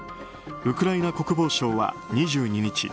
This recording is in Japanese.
ウクライナ国防省は２２日